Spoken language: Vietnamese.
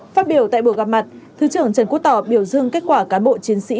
phát biểu tại buổi gặp mặt thứ trưởng trần quốc tỏ biểu dương kết quả cán bộ chiến sĩ